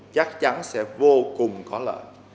chắc chắn sẽ vô cùng có lợi